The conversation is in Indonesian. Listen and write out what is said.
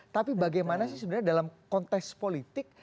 tapi bagaimana sih sebenarnya dalam konteks politik